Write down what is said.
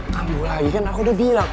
tambu lagi kan aku udah bilang